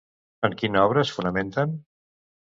En quina obra es fonamenten?